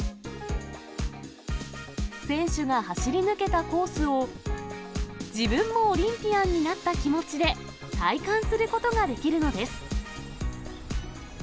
選手が走り抜けたコースを、自分もオリンピアンになった気持ちで、体感することができるのです。